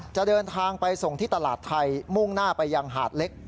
จะเดินทางไปส่งที่ตลาดไทยมุ่งหน้าไปยังหาดเล็ก